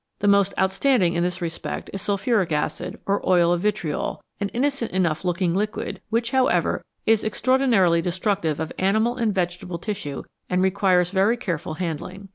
The most outstanding in this respect is sulphuric acid or oil of vitriol, an innocent enough looking liquid, which, however, is extraordinarily destructive of animal and vegetable tissue, and requires very careful handling.